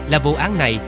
là vụ án này